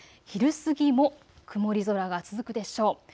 昼過ぎも曇り空が続くでしょう。